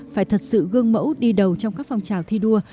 phải thật sự gương mẫu đi đầu trong các phong trào thi đua